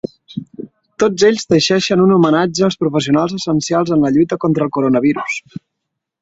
Tots ells teixeixen un “homenatge” als professionals essencials en la lluita contra el coronavirus.